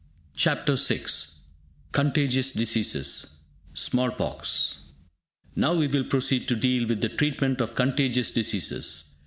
CHAPTER VI CONTAGIOUS DISEASES: SMALL POX Now we will proceed to deal with the treatment of contagious diseases.